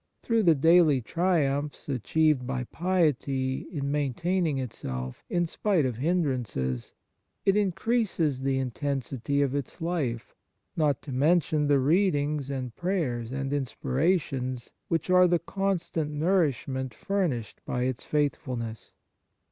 Through the daily triumphs achieved by piety in main taining itself in spite of hindrances, it increases the intensity of its life, not to mention the readings and prayers and inspirations, which are the constant nourishment furnished by its faithfulness.